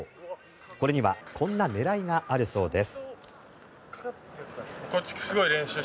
これにはこんな狙いがあるそうです。